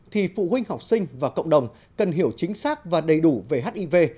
thì phụ huynh học sinh và cộng đồng cần hiểu chính xác và đầy đủ về hiv